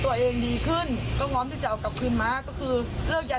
ตัวเองดีขึ้นก็พร้อมที่จะเอากลับคืนมาก็คือเลิกยา